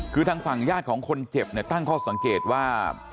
คือทางฝั่งญาติของคนเจ็บเนี่ยตั้งข้อสังเกตว่า